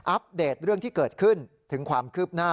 ปเดตเรื่องที่เกิดขึ้นถึงความคืบหน้า